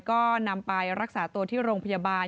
ก็นำไปรักษาตัวที่โรงพยาบาล